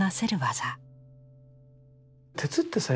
鉄ってさ